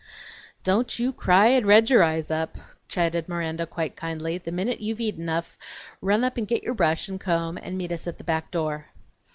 "Don't you cry and red your eyes up," chided Miranda quite kindly; "the minute you've eat enough run up and get your brush and comb and meet us at the back door."